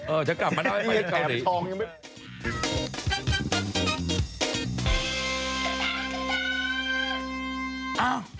เออเธอกลับมาเอาไว้ไปเกาหลี